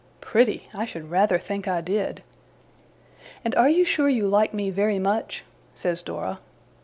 Pretty! I should rather think I did. 'And are you sure you like me very much?' says Dora.